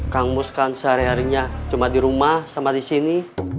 kang muskan sehari harinya cuma di rumah sama disini